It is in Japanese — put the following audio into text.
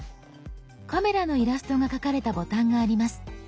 カメラのイラストが描かれたボタンがあります。